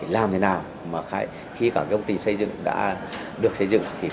làm thế nào mà khi các công ty xây dựng đã được xây dựng thì